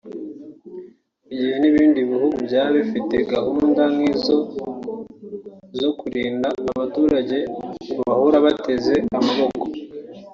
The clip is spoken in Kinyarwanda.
mu gihe n’ibindi bihugu byaba bifite gahunda nk’izo zo kurinda abaturage guhora bateze amaboko